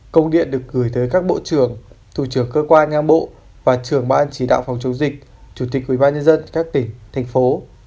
công điện được gửi tới các bộ trưởng thủ trưởng cơ quan ngang bộ và trưởng bảo an chỉ đạo phòng chống dịch chủ tịch quỹ ban nhân dân các tỉnh thành phố